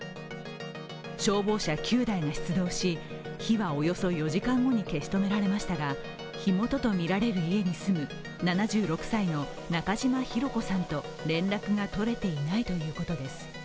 消防車９台が出動し、火はおよそ４時間後に消し止められましたが火元とみられる家に住む７６歳の中島担子さんと連絡が取れていないということです。